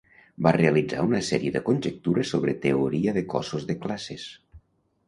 Va realitzar una sèrie de conjectures sobre teoria de cossos de classes.